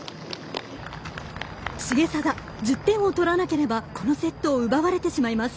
重定１０点を取られなければこのセットを奪われてしまいます。